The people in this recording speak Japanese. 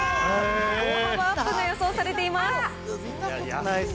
大幅アップが予想されています。